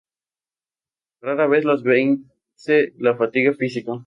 Rara vez los vence la fatiga física.